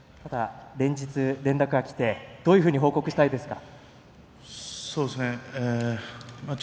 連日、連絡がきてどういうふうに報告したいですか。